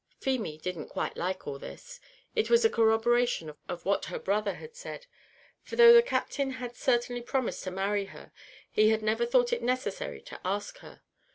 Feemy didn't quite like all this it was a corroboration of what her brother had said; for though the Captain had certainly promised to marry her, he had never thought it necessary to ask her.